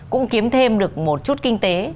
cũng kiếm thêm được một chút kinh tế